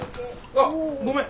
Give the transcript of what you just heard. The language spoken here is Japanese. あっごめん！